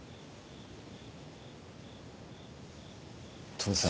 父さん。